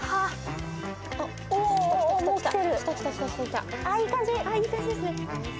いい感じですね。